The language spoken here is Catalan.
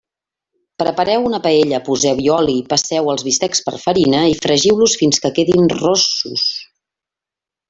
Prepareu una paella, poseu-hi oli, passeu els bistecs per farina i fregiu-los fins que quedin ros-sos.